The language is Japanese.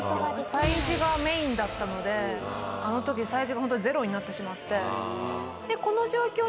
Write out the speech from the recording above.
催事がメインだったのであの時催事がホントにゼロになってしまって。